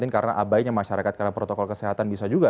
karena abainya masyarakat karena protokol kesehatan bisa juga